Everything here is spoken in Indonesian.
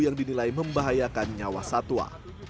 yang dinilai membahayakan nyawa satwa